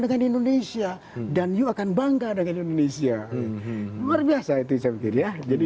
dengan indonesia dan you akan bangga dengan indonesia luar biasa itu saya pikir ya jadi